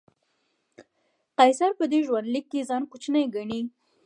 قیصر په دې ژوندلیک کې ځان کوچنی ګڼي.